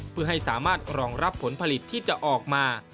เพื่อให้สามารถรองรับผลผลิตที่จะออกมา